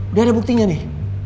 udah ada buktinya nih